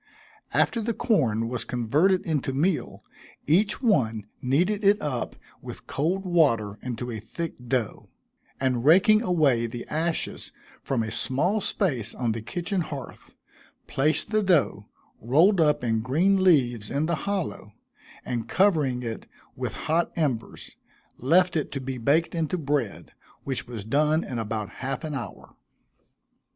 After the corn was converted into meal, each one kneaded it up with cold water into a thick dough, and raking away the ashes from a small space on the kitchen hearth, placed the dough, rolled up in green leaves, in the hollow, and covering it with hot embers, left it to be baked into bread, which was done in about half an hour.